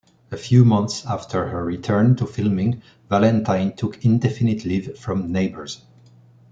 A few months after her return to filming, Valentine took indefinite leave from "Neighbours".